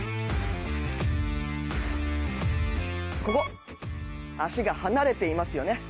ここ、足が離れていますよね。